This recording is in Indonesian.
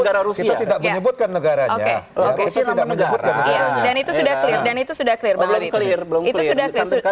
kita tidak menuduhi negaranya